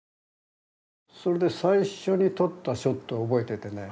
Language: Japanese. それで最初に撮ったショットを覚えててね。